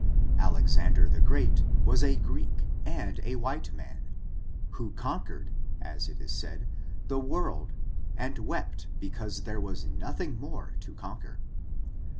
Alexander the Great was a Greek, and a white man, who conquered, as it is said, the world, and wept because there was nothing more to conquer.